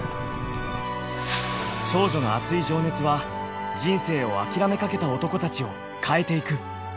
少女のアツい情熱は人生を諦めかけた男たちを変えていく！